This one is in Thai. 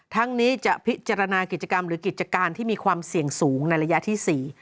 ทั้งนี้จะพิจารณากิจกรรมหรือกิจการที่มีความเสี่ยงสูงในระยะที่๔